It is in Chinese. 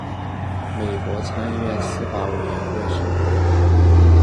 美国参议院司法委员会是美国国会参议院的常设委员会之一。